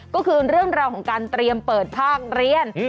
ก็คือเรื่องราวของการเตรียมเปิดภาคเรียน